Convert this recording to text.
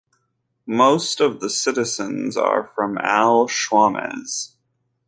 Most of the citizens are from Al Shawames.